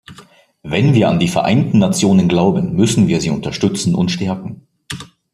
Wenn wir an die Vereinten Nationen glauben, müssen wir sie unterstützen und stärken.